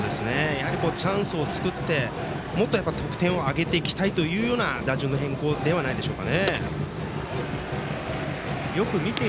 進藤君を６番にしたチャンスを作ってもっと得点を挙げていきたいという打順の変更ではないでしょうか。